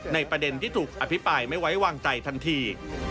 ประเด็นที่ถูกอภิปรายไม่ไว้วางใจทันที